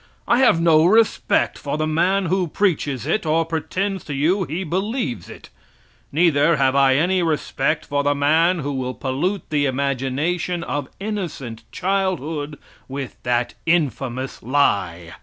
I have no respect for the man who preaches it, or pretends to you he believes it. Neither have I any respect for the man who will pollute the imagination of innocent childhood with that infamous lie!